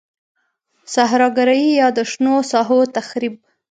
صحرا ګرایی یا د شنو ساحو تخریب.